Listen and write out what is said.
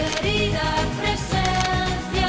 มันนั้นเมนเชกวาระเชกวาระเชกวาระ